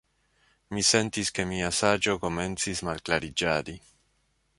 Mi sentis, ke mia saĝo komencis malklariĝadi.